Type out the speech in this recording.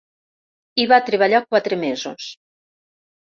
Hi va treballar quatre mesos.